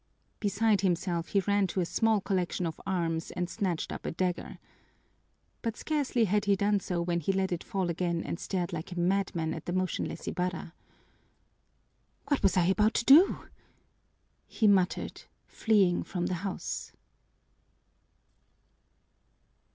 Beside himself, he ran to a small collection of arms and snatched up a dagger. But scarcely had he done so when he let it fall again and stared like a madman at the motionless Ibarra. "What was I about to do?" he muttered, fleeing from the house.